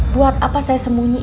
buat apa saya sembunyiin pak